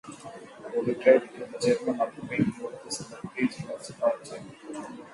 Betrayed to the German occupying forces, the priest was tortured.